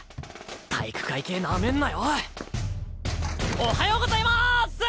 おはようございます！